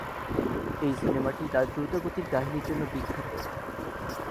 এই সিনেমাটি তার দ্রুত গতির কাহিনীর জন্য বিখ্যাত।